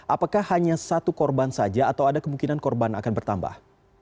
apakah hanya satu korban saja atau ada kemungkinan korban akan bertambah